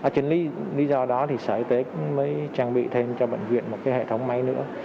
chính lý do đó thì sở y tế mới trang bị thêm cho bệnh viện một cái hệ thống máy nữa